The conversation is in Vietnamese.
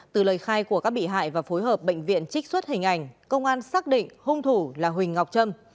từ lời khai của các bị hại và phối hợp bệnh viện trích xuất hình ảnh công an xác định hung thủ là huỳnh ngọc trâm